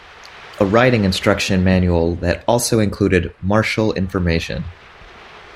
A riding instruction manual that also included martial information.